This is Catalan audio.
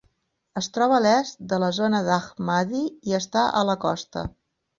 Es troba a l'est de la zona d'Ahmadi i està a la costa.